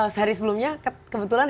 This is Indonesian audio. sehari sebelumnya kebetulan